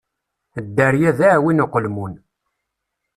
Dderya d aɛwin uqelmun.